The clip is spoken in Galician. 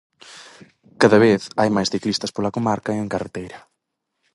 Cada vez hai máis ciclistas pola comarca e en carreteira.